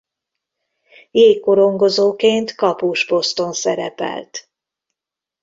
Jégkorongozóként kapus poszton szerepelt.